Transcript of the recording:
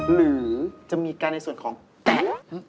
หรือจะมีการในส่วนของแต๊ะ